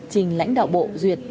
trình lãnh đạo bộ duyệt